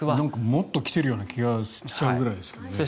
もっと来ているような感じもしちゃうくらいですけどね。